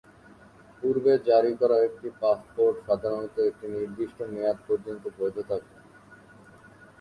পুর্বে জারি করা একটি পাসপোর্ট সাধারণত একটি নির্দিষ্ট মেয়াদ পর্যন্ত বৈধ থাকে।